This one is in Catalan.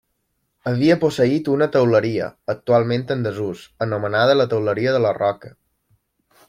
Havia posseït una teuleria, actualment en desús, anomenada la teuleria de la Roca.